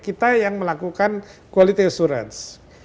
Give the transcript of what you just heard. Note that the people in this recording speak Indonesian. kita yang melakukan quality assurance